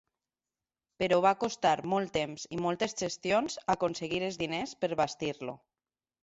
Però va costar molt temps i moltes gestions aconseguir els diners per bastir-lo.